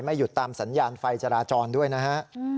หยุดตามสัญญาณไฟจราจรด้วยนะฮะ